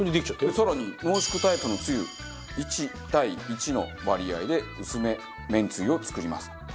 更に濃縮タイプのつゆ１対１の割合で薄めめんつゆを作ります。